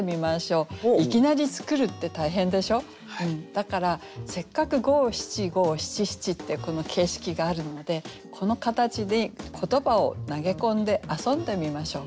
だからせっかく五七五七七ってこの形式があるのでこの形に言葉を投げ込んで遊んでみましょう。